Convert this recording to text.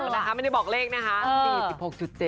น้ำหนักนะคะไม่ได้บอกเลขนะคะ